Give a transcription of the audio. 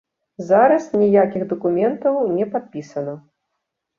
Зараз ніякіх дакументаў не падпісана.